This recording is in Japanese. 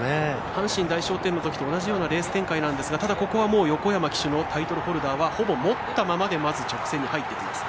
阪神大賞典と同じような展開なんですがただ、ここは横山騎手のタイトルホルダーはほぼもったままで直線に入ってきます。